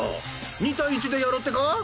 ２対１でやろうってか？